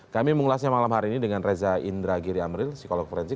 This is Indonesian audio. kami mengulasnya malam hari ini dengan reza indragiri amril psikolog forensik